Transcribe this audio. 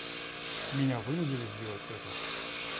Меня вынудили сделать это.